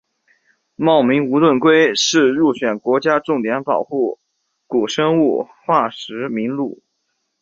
茂名无盾龟是入选国家重点保护古生物化石名录。